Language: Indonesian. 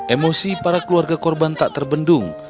emosi para keluarga korban tak terbendung